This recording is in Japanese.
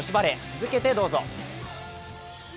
続けてどうぞ。